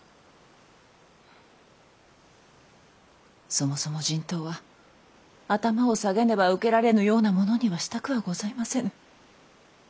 そもそも人痘は頭を下げねば受けられぬようなものにはしたくはございませぬ。